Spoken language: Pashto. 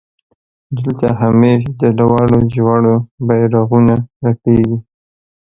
دلته همېش د لوړو ژورو بيرغونه رپېږي.